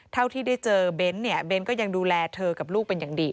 เท่าที่ได้เจอเบ้นเนี่ยเบ้นก็ยังดูแลเธอกับลูกเป็นอย่างดี